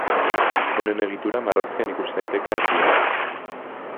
Honen egitura marrazkian ikus daiteke argiago.